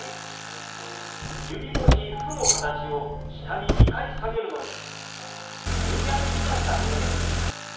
指文字「フ」の形を下に２回下げるのに上に上げていましたね。